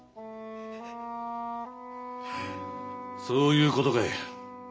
そういうことかい。